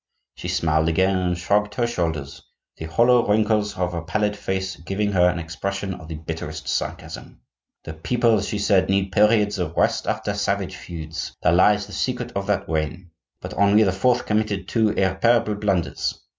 She smiled again and shrugged her shoulders, the hollow wrinkles of her pallid face giving her an expression of the bitterest sarcasm. 'The peoples,' she said, 'need periods of rest after savage feuds; there lies the secret of that reign. But Henri IV. committed two irreparable blunders.